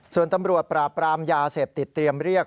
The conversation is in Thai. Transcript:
ส่วนตำรวจปราบปรามยาเสพติดเตรียมเรียก